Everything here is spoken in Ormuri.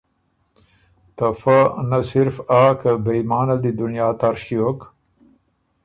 ته فۀ نۀ صرف آ که بې ایمانه ال دی دنیا تر ݭیوک